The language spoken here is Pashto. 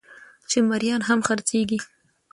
چې مريان هم خرڅېږي